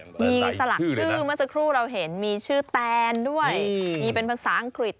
มีสลักชื่อเมื่อสักครู่เราเห็นมีชื่อแตนด้วยมีเป็นภาษาอังกฤษ